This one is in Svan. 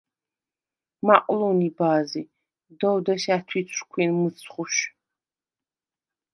მაყლუ̄ნი ბა̄ზი, “დოვ დეშ ა̈თუ̈ცვრ ქვინ მჷცხუშ”.